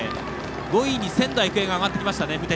５位に仙台育英が上がってきました。